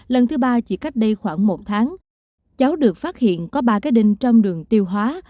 lần thứ ba chỉ cách đây khoảng một tháng cháu được phát hiện có ba cái đinh trong đường tiêu hóa